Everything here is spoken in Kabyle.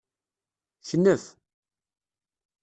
Knef.